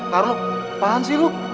karlo paham sih lu